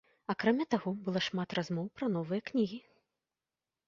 Акрамя таго, было шмат размоў пра новыя кнігі.